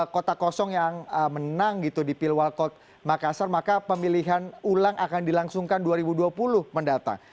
kota kosong yang menang gitu di pilwal kota makassar maka pemilihan ulang akan dilangsungkan dua ribu dua puluh mendatang